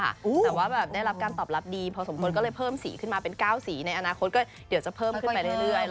แต่ว่าแบบได้รับการตอบรับดีพอสมควรก็เลยเพิ่มสีขึ้นมาเป็น๙สีในอนาคตก็เดี๋ยวจะเพิ่มขึ้นไปเรื่อย